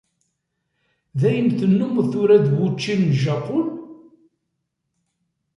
Dayen tennumeḍ tura d wučči n Japun?